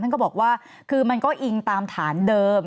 ก็บอกว่าคือมันก็อิงตามฐานเดิม